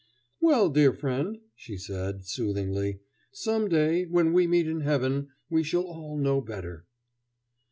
"Well, dear friend," she said, soothingly, "some day, when we meet in heaven, we shall all know better."